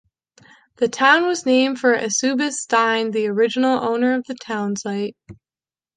The town was named for Eusebius Stine, the original owner of the town site.